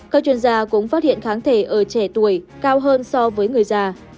các chuyên gia cũng phát hiện kháng thể ở trẻ tuổi cao hơn so với người già